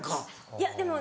いやでも。